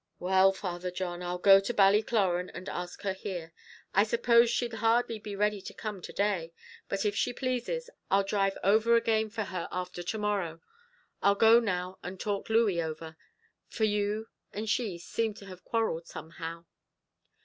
"Well, Father John, I'll go to Ballycloran, and ask her here; I suppose she'll hardly be ready to come to day, but if she pleases, I'll drive over again for her after to morrow. I'll go now and talk Louey over, for you and she seem to have quarrelled somehow."